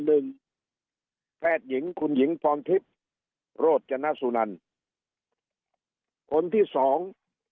หนึ่งแพทย์หญิงคุณหญิงพรทิพย์โรจนสุนันคนที่สอง